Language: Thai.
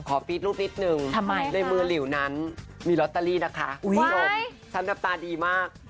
ขอพีชรูปนิดนึงด้วยมือหลิวนั้นมีลอตเตอรี่นะคะสำหรับตาดีมาก